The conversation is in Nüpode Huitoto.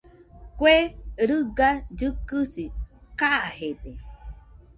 Kue riga llɨkɨsi kajede.